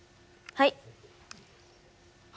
はい。